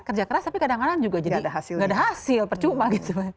kerja keras tapi kadang kadang juga jadi gak ada hasil percuma gitu